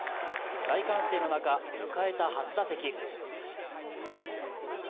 大歓声の中、迎えた初打席。